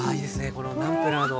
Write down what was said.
このナムプラーの。